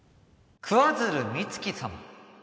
桑鶴美月様